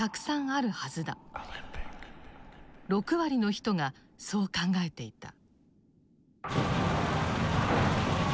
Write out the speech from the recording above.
６割の人がそう考えていた。